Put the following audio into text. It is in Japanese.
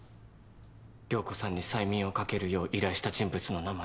涼子さんに催眠をかけるよう依頼した人物の名前を。